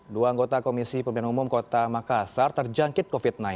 dua anggota komisi pemilihan umum kota makassar terjangkit covid sembilan belas